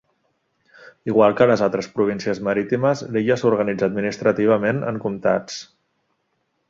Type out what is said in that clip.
Igual que les altres províncies marítimes, l'illa s'organitza administrativament en comtats.